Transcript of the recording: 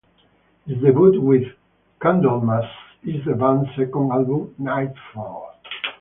His debut with Candlemass is the band's second album, "Nightfall".